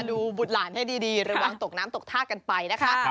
บุตรหลานให้ดีระวังตกน้ำตกท่ากันไปนะคะ